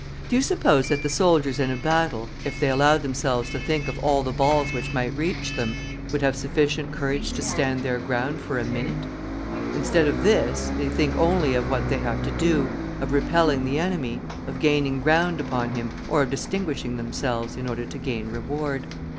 Do you suppose that the soldiers in a battle, if they allowed themselves to think of all the balls which might reach them, would have sufficient courage to stand their ground for a minute? Instead of this, they think only of what they have to do, of repelling the enemy, of gaining ground upon him, or of distinguishing themselves, in order to gain reward.